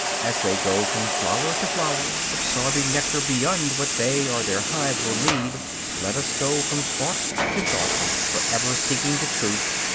As they go from flower to flower absorbing nectar beyond what they or their hive will need, so let us go from thought to thought, forever seeking the truth.